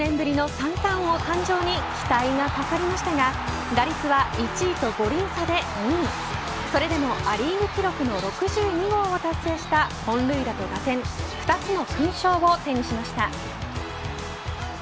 １０年ぶりの三冠王誕生に期待がかかりましたが打率は１位と５厘差で２位それでもア・リーグ記録の６２号を達成して本塁打と打点、２つの勲章を手にしました。